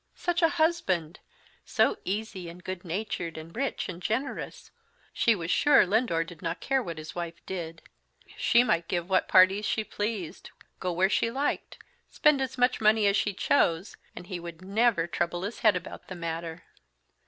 such a husband! so easy and good natured, and rich and generous! She was sure Lindore did not care what his wife did. She might give what parties she pleased, go where she liked, spend as much money as she chose, and he would never trouble his head about the matter.